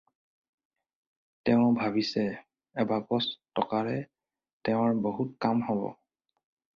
তেওঁ ভাবিছে এবাকচ টকাৰে তেওঁৰ বহুত কাম হ'ব।